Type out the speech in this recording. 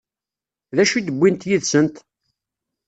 D acu i d-wwint yid-sent?